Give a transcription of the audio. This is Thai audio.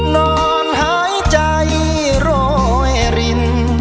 นอนหายใจโรยริน